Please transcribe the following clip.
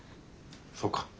そうか。